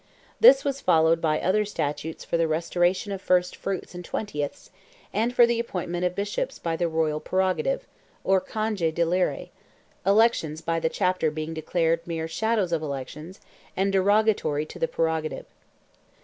This was followed by other statutes for the restoration of first fruits and twentieths, and for the appointment of Bishops by the royal prerogative, or conge d'elire—elections by the chapter being declared mere "shadows of election, and derogatory to the prerogative."